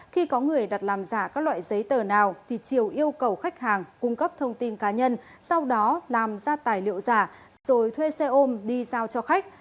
khi có người đặt làm giả các loại giấy tờ nào triều yêu cầu khách hàng cung cấp thông tin cá nhân sau đó làm ra tài liệu giả rồi thuê xe ôm đi giao cho khách